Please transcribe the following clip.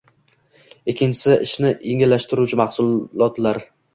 Ikkinchisi, ishni yengillashtiruvchi mahsulotlar.